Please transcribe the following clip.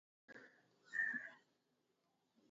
நிலங்களை மான்யமாக எழுதி வைத்திருக்கிறார்கள்.